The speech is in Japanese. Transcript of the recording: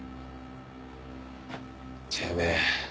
てめえ。